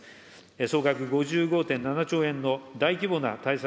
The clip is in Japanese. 総額５５．７兆円の大規模な対策